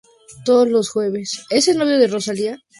Todos los jueves.